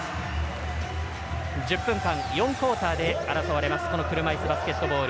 １０分間４クオーターで争われる車いすバスケットボール。